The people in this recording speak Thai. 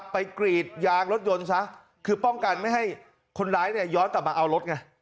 กรีดยางรถยนต์ซะคือป้องกันไม่ให้คนร้ายเนี่ยย้อนกลับมาเอารถไง